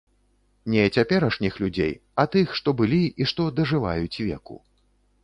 Не цяперашніх людзей, а тых, што былі і што дажываюць веку.